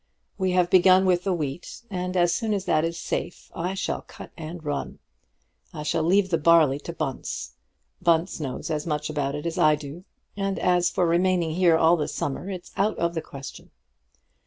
We have begun with the wheat, and as soon as that is safe I shall cut and run. I shall leave the barley to Bunce. Bunce knows as much about it as I do, and as for remaining here all the summer, it's out of the question.